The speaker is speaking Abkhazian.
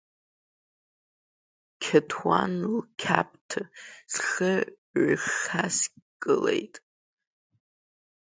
Қьаҭуан лқьаԥҭа схы ҩхаскылеит.